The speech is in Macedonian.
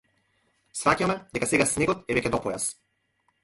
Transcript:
Сфаќаме дека сега снегот е веќе до појас.